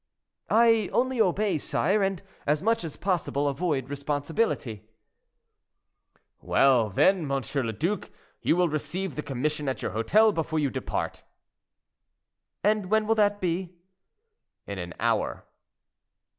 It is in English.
"I only obey, sire; and, as much as possible, avoid responsibility." "Well, then, M. le Duc, you will receive the commission at your hotel before you depart." "And when will that be?" "In an hour."